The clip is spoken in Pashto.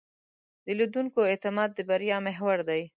د لیدونکو اعتماد د بریا محور دی.